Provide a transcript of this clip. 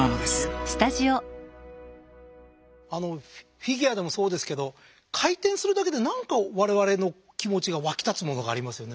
フィギュアでもそうですけど回転するだけでなんか我々の気持ちが沸き立つものがありますよね。